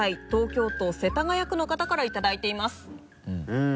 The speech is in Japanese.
うん。